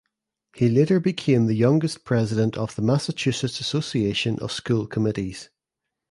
He later became the youngest president of the Massachusetts Association of School Committees.